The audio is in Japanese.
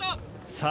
さあ